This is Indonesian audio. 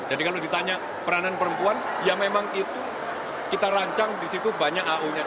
jadi kalau ditanya peranan perempuan ya memang itu kita rancang disitu banyak yang ditanyakan